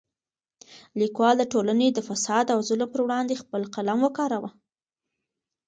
لیکوال د ټولنې د فساد او ظلم پر وړاندې خپل قلم وکاراوه.